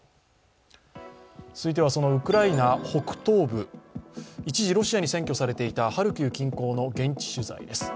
続いては、そのウクライナ北東部、一時ロシアに占拠されていたハルキウ近郊の現地取材です。